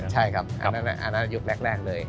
ใช่ครับอันนั้นยุคแรกเลย